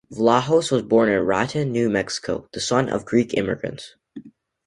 Vlahos was born in Raton, New Mexico, the son of Greek immigrants.